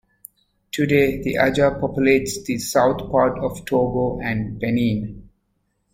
Today the Aja populate the south part of Togo and Benin.